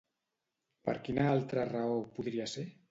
Per quina altra raó podria ser?